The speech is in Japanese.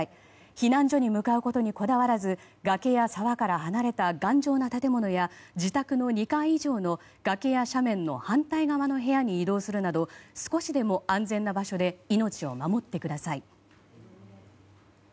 避難所に向かうことにこだわらず崖や沢から離れた頑丈な建物や自宅の２階以上の崖や斜面の反対側の部屋に移動するなど少しでも安全な場所で命を守ってください。